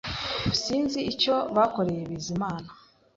Sinzi icyo bakoreye Bizimana